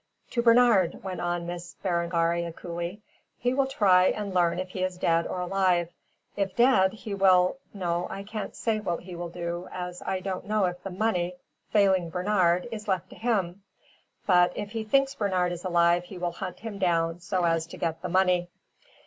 "To Bernard," went on Miss Berengaria, coolly, "he will try and learn if he is dead or alive. If dead he will no, I can't say what he will do as I don't know if the money, failing Bernard, is left to him. But if he thinks Bernard is alive he will hunt him down so as to get the money."